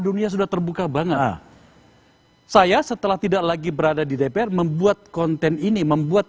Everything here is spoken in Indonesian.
dunia sudah terbuka banget saya setelah tidak lagi berada di dpr membuat konten ini membuat